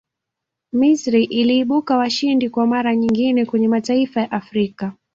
misri iliibuka washindi kwa mara nyingine kwenye mataifa ya afrika